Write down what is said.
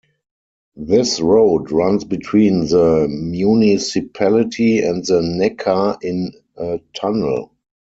This road runs between the municipality and the Neckar in a tunnel.